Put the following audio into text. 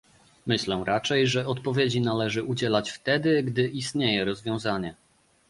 Myślę raczej, że odpowiedzi należy udzielać wtedy, gdy istnieje rozwiązanie